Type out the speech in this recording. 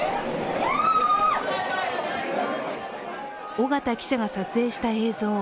緒方記者が撮影した映像。